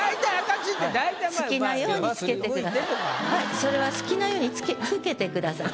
それは好きなようにつけてください。